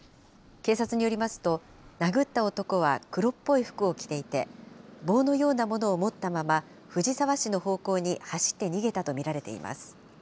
警察によりますと、殴った男は黒っぽい服を着ていて、棒のようなものを持ったまま藤沢市の方向に走って逃げたと見られています。